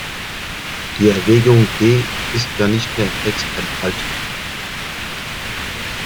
Die Erwägung D ist ja nicht mehr im Text enthalten.